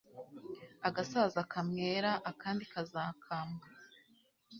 agasaza kamwera akandi kazakamwa